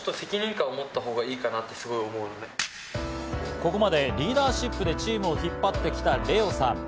ここまでリーダーシップでチームを引っ張ってきたレオさん。